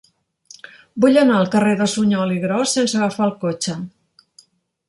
Vull anar al carrer de Suñol i Gros sense agafar el cotxe.